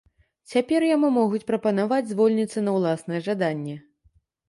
Цяпер яму могуць прапанаваць звольніцца на ўласнае жаданне.